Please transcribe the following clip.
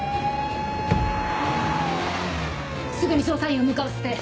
すぐに捜査員を向かわせて。